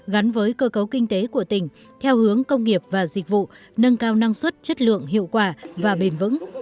gắn với cơ cấu kinh tế của tỉnh theo hướng công nghiệp và dịch vụ nâng cao năng suất chất lượng hiệu quả và bền vững